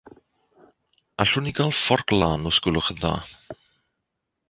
Allwn ni gael fforc lân os gwelwch yn dda.